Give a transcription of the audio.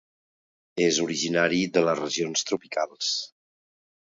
És originari de les regions tropicals.